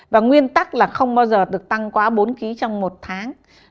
và nguyên tắc là không bao giờ được tăng quá bốn ký trong một tháng